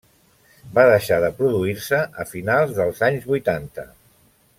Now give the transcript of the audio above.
Va deixar de produir-se a finals dels anys vuitanta.